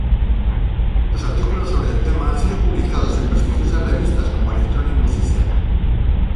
Sus artículos sobre el tema han sido publicados en prestigiosas revistas como Electronic Musician.